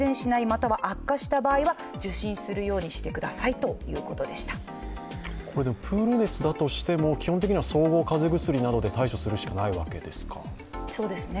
更に、目の症状がなかった際にもプール熱だとしても、基本的には総合風邪薬などで対処するしかないわけですか。